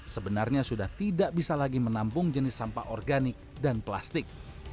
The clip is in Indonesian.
sebenarnya sudah tidak bisa lagi menampung jenis sampah organik dan plastik